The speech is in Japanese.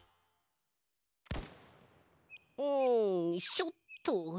んしょっと。